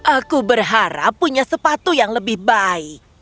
aku berharap punya sepatu yang lebih baik